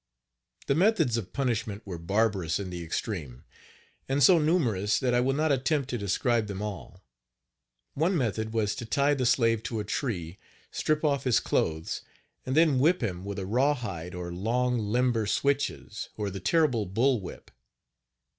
The methods of punishment were barbarous in the extreme, and so numerous that I will not attempt to describe them all. One method was to tie the slave to a tree, strip off his clothes, and then whip him with a rawhide, or long, limber switches, or the terrible bull whip.